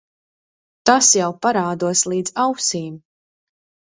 Tas jau parādos līdz ausīm.